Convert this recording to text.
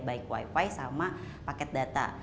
baik wifi sama paket data